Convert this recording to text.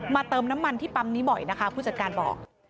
เติมน้ำมันที่ปั๊มนี้บ่อยนะคะผู้จัดการบอก